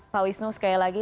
pak wisnu sekali lagi